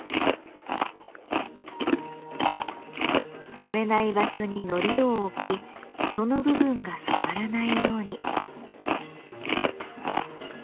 染めない場所に糊を置きその部分が染まらないように。